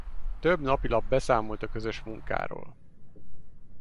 Több napilap beszámolt a közös munkáról.